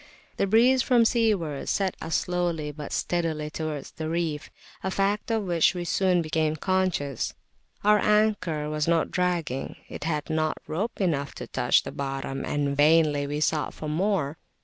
The breeze from seaward set us slowly but steadily towards the reef, a fact of which we soon became conscious. Our anchor was not dragging; it had not rope enough to touch the bottom, and vainly we sought for more.